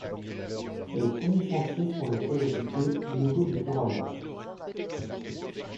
C'est le premier chantier sur lequel est cité Diogo de Torralva.